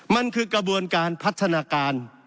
มันคือกระบวนการพัฒนาการ